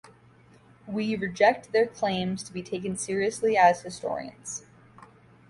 We reject their claims to be taken seriously as historians.